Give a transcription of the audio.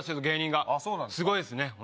芸人がすごいですね